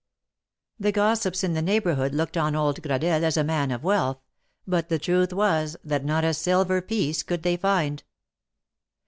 The gossips in the neighborhood looked on old Gradelle as a man of wealth, but the truth was, that not a silver piece could they find.